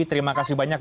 terima kasih banyak